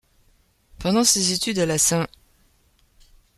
Pendant ses études à la St.